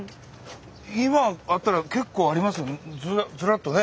今あったら結構ありますねずらっとね。